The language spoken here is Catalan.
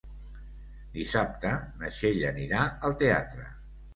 Dissabte na Txell anirà al teatre.